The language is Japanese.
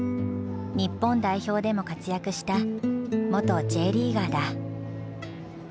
日本代表でも活躍した元Ｊリーガーだ。